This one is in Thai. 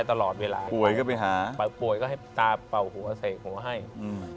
ตลอดเวลาป่วยก็ไปหาป่วยก็ให้ตาเป่าหัวใส่หัวให้อืม